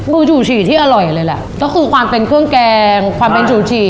ูจู่ฉี่ที่อร่อยเลยแหละก็คือความเป็นเครื่องแกงความเป็นชูฉี่